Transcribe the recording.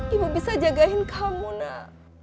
ibu bisa jagain kamu nak